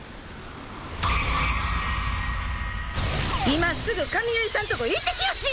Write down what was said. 今すぐ髪結いさんとこ行ってきよし！